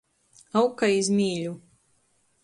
Aug kai iz mīļu.